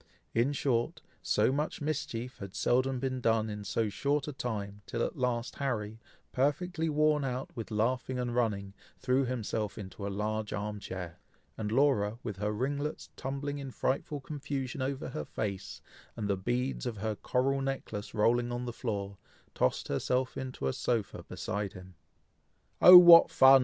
In short, so much mischief has seldom been done in so short a time, till at last Harry, perfectly worn out with laughing and running, threw himself into a large arm chair, and Laura, with her ringlets tumbling in frightful confusion over her face, and the beads of her coral necklace rolling on the floor, tossed herself into a sofa beside him. "Oh! what fun!"